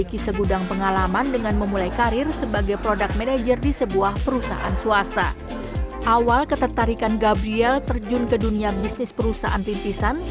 kemeliputan cnn indonesia